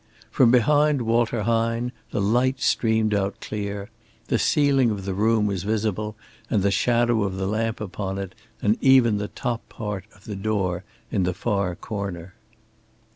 From behind Walter Hine the light streamed out clear. The ceiling of the room was visible and the shadow of the lamp upon it, and even the top part of the door in the far corner.